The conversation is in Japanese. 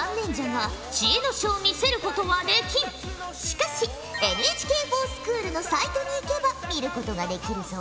しかしＮＨＫｆｏｒＳｃｈｏｏｌのサイトに行けば見ることができるぞ。